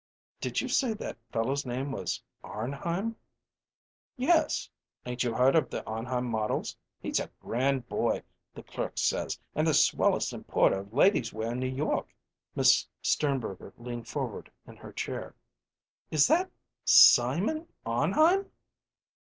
"Did you say that fellow's name was Arnheim?" "Yes. 'Ain't you heard of the Arnheim models? He's a grand boy, the clerk says, and the swellest importer of ladies' wear in New York." Miss Sternberger leaned forward in her chair. "Is that Simon Arnheim?"